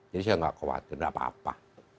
jadi saya gak khawatir gak apa apa